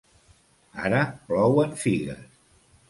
Ara plouen figues!